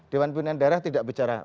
dewan pimpinan daerah tidak bicara